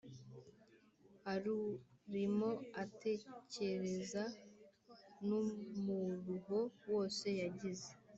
arurimo atekereza n' umuruho wose yagize